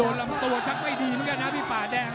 ลำตัวชักไม่ดีเหมือนกันนะพี่ป่าแดง